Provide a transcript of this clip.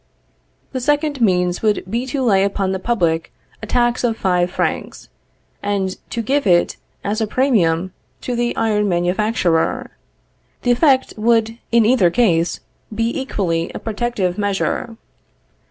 The second means would be to lay upon the public a tax of five francs, and to give it as a premium to the iron manufacturer. The effect would in either case be equally a protective measure.